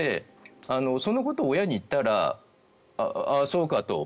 そのことを親に言ったらああ、そうかと。